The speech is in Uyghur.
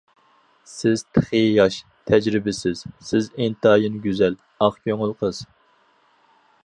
سىز تېخى ياش، تەجرىبىسىز، سىز ئىنتايىن گۈزەل، ئاق كۆڭۈل قىز.